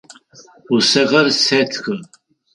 Усэхэр сэтхы.